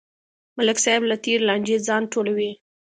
ملک صاحب له تېرې لانجې ځان ټولوي.